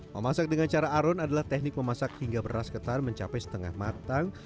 memasak dengan cara aron adalah teknik memasak hingga beras ketan mencapai setengah matang